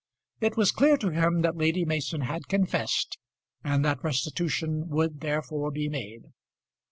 It was clear to him that Lady Mason had confessed, and that restitution would therefore be made.